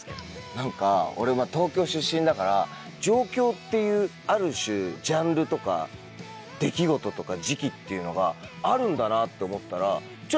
何か俺東京出身だから上京っていうある種ジャンルとか出来事とか時期っていうのがあるんだなって思ったら。